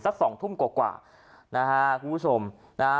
สักสองทุ่มกว่านะฮะคุณผู้ชมนะฮะ